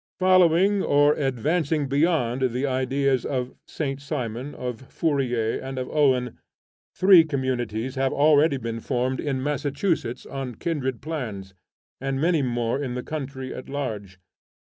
Following or advancing beyond the ideas of St. Simon, of Fourier, and of Owen, three communities have already been formed in Massachusetts on kindred plans, and many more in the country at large.